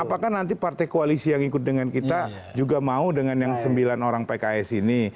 apakah nanti partai koalisi yang ikut dengan kita juga mau dengan yang sembilan orang pks ini